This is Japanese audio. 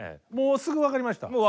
もうすぐ分かりました？